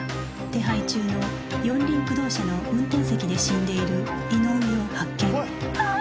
手配中の四輪駆動車の運転席で死んでいる井上を発見